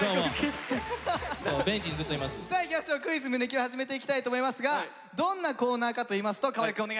「クイズ胸Ｑ」始めていきたいと思いますがどんなコーナーかといいますと河合くんお願いします。